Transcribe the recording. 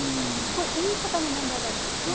これは言い方の問題だと思います。